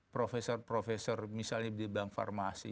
profesor profesor misalnya di bank farmasi